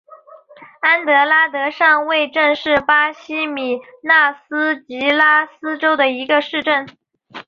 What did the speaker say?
安德拉德上尉镇是巴西米纳斯吉拉斯州的一个市镇。